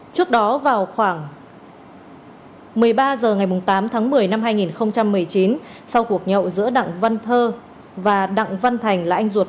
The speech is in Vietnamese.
trước đó vào khoảng một mươi ba h ngày tám tháng một mươi năm hai nghìn một mươi chín sau cuộc nhậu giữa đặng văn thơ và đặng văn thành là anh ruột